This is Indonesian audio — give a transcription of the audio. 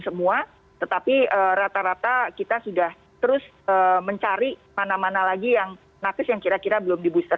semua tetapi rata rata kita sudah terus mencari mana mana lagi yang napis yang kira kira belum di booster